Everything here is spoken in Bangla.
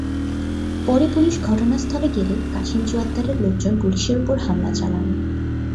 পরে পুলিশ ঘটনাস্থলে গেলে কাশেম জোয়াদ্দারের লোকজন পুলিশের ওপর হামলা চালান।